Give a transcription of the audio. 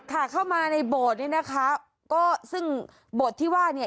ค่ะเข้ามาในโบสถ์นี้นะคะก็ซึ่งโบสถ์ที่ว่าเนี่ย